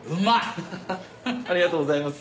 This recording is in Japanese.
ハハハありがとうございます。